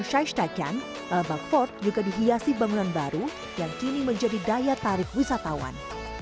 di shahistaghan lalbagh fort juga dihiasi bangunan baru yang kini menjadi daya tarif wisatawan